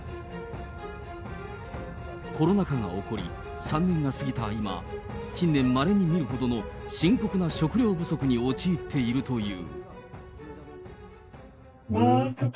コロナ禍が起こり３年が過ぎた今、近年まれに見るほどの深刻な食糧不足に陥っているという。